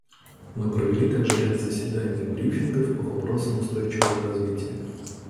Мы провели также ряд заседаний и брифингов по вопросам устойчивого развития.